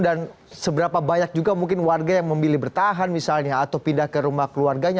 dan seberapa banyak juga mungkin warga yang memilih bertahan misalnya atau pindah ke rumah keluarganya